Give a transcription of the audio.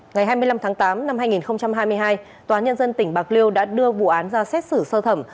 ngày hai mươi năm tháng tám năm hai nghìn hai mươi hai tòa nhân dân tỉnh bạc liêu đã đưa vụ án ra xét xử sơ thẩm